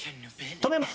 止めます。